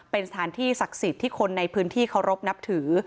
เป็นสถานที่ศักดิ์สิทธิ์ที่คนในพื้นที่เคารพนับถือ